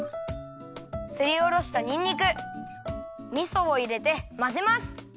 すりおろしたにんにくみそをいれてまぜます。